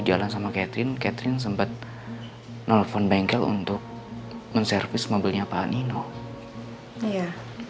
jalan sama catherine catherine sempat nelfon bengkel untuk menservis mobilnya panino iya